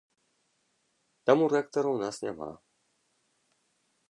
Таму рэктара ў нас няма.